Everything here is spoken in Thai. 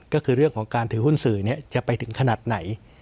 ก็คือเรื่องของการถือหุ้นสื่อจะไปถึงขนาดไหน